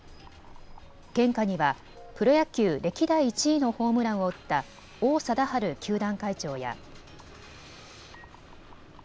献花にはプロ野球歴代１位のホームランを打った王貞治球団会長や。